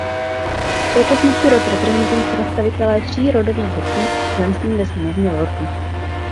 V současnosti rod reprezentují představitelé tří rodových větví s členstvím ve Sněmovně lordů.